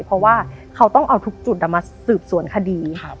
เพราะว่าเขาต้องเอาทุกจุดมาสืบสวนคดี